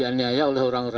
tapi kita harus tarik memori